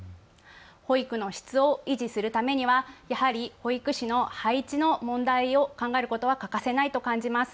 保育の質を維持するためにはやはり保育士の配置の問題を考えることは欠かせないと感じます。